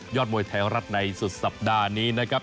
มวยไทยรัฐในสุดสัปดาห์นี้นะครับ